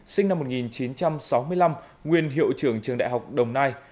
sinh năm một nghìn chín trăm sáu mươi năm nguyên hiệu trưởng trường đại học đồng nai